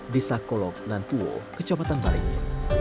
desa kolok nantuo kecabatan baringi